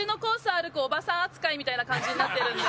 歩くおばさん扱いみたいな感じになってるんで。